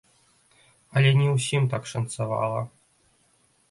Але не ўсім так шанцавала.